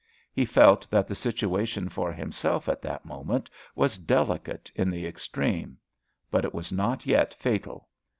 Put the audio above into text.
He felt that the situation for himself at that moment was delicate in the extreme. But it was not yet fatal.